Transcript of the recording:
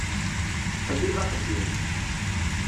Tettqellib axeddim.